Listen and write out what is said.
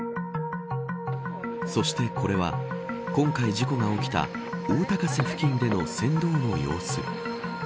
そして、これは今回事故が起きた大高瀬付近での船頭の様子。